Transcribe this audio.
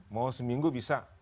mau seminggu bisa